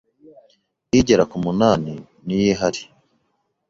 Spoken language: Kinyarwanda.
igera ku munani niyo ihari